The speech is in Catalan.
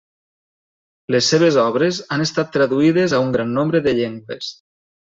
Les seves obres han estat traduïdes a un gran nombre de llengües.